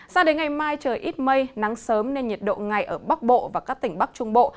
sao đến ngày mai trời ít mây nắng sớm nên nhiệt độ ngày ở bắc bộ và các tỉnh bắc trung bộ